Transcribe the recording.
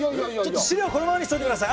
資料このままにしといてください。